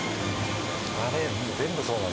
あれ全部そうなの？